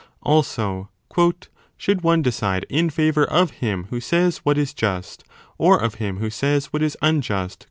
Also, should one decide in favour of him who says what is just, or of him who says what is unjust